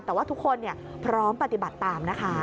แต่ว่าทุกคนพร้อมปฏิบัติตามนะคะ